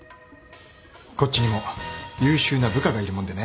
こっちにも優秀な部下がいるもんでねぇ。